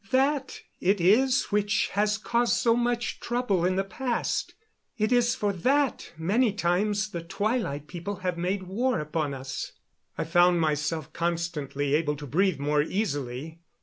That it is which has caused much trouble in the past. It is for that, many times, the Twilight People have made war upon us." I found myself constantly able to breathe more easily.